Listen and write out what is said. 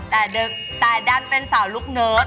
แต่ดันเป็นสาวลูกเนิร์ด